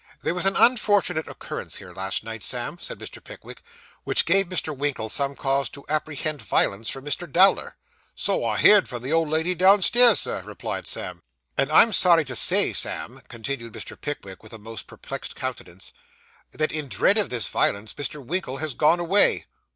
'There was an unfortunate occurrence here, last night, Sam,' said Mr. Pickwick, 'which gave Mr. Winkle some cause to apprehend violence from Mr. Dowler.' 'So I've heerd from the old lady downstairs, Sir,' replied Sam. 'And I'm sorry to say, Sam,' continued Mr. Pickwick, with a most perplexed countenance, 'that in dread of this violence, Mr. Winkle has gone away.